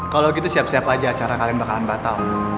kalau gitu siap siap aja acara kalian bakalan batal